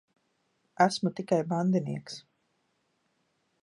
Esmu tikai bandinieks.